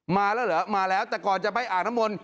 มาแล้วเหรอมาแล้วแต่ก่อนจะไปอาบน้ำมนต